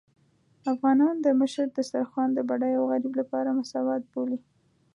افغانان د مشر دسترخوان د بډای او غريب لپاره مساوات بولي.